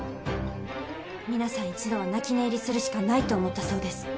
皆さん一度は泣き寝入りするしかないと思ったそうです。